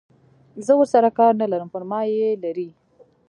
زه ورسره کار نه لرم پر ما یې لري.